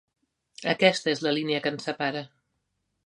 Aquesta és la línia que ens separa.